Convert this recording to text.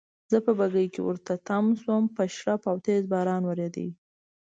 زه په بګۍ کې ورته تم شوم، په شړپ او تېز باران وریده.